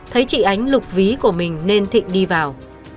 thấy chị ánh lục ví của mình nên thịnh đi vào